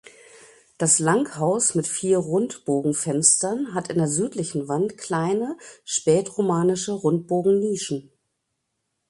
Das Langhaus mit vier Rundbogenfenstern hat an der südlichen Wand kleine spätromanische Rundbogennischen.